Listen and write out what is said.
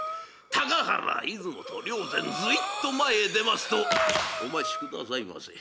高原出雲と良然ずいっと前へ出ますと「お待ちくださいませ。